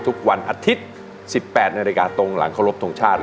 ทุกวันอาทิตย์๑๘นาฬิกาตรงหลังเคารพทงชาติ